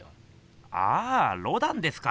ああロダンですか。